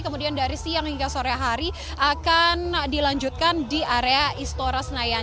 kemudian dari siang hingga sore hari akan dilanjutkan di area istora senayan